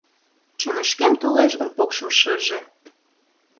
Чонышкем толеш гын покшым-шыже